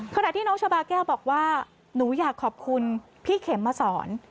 ขณะที่น้องชาบาแก้วบอกว่าหนูอยากขอบคุณพี่เข็มมาสอน